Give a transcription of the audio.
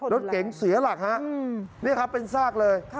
รถเก๋งเสียหลักฮะนี่ครับเป็นซากเลย